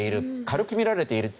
軽く見られている。